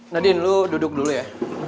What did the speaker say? nadine dulu duduk dulu ya